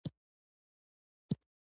نهه دیرشم لوست